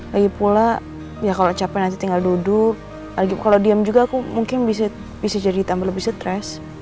lagipula ya kalo capek nanti tinggal duduk kalo diam juga aku bisa jadi tambah lebih stress